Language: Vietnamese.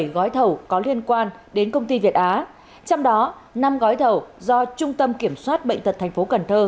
bảy gói thầu có liên quan đến công ty việt á trong đó năm gói thầu do trung tâm kiểm soát bệnh tật tp cn